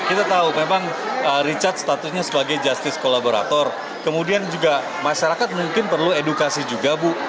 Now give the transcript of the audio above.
kita tahu memang richard statusnya sebagai justice kolaborator kemudian juga masyarakat mungkin perlu edukasi juga bu